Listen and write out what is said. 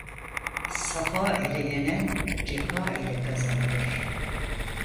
Safa ile yenen cefa ile kazanılır.